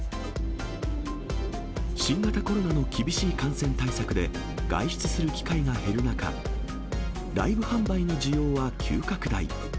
新型コロナの厳しい感染対策で外出する機会が減る中、ライブ販売の需要は急拡大。